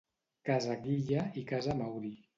Casa Guilla i Casa Mauri.